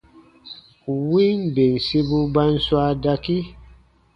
Win bensibu ba n swaa dakii.